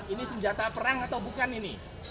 ini senjata perang atau bukan ini